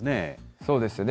そうですね。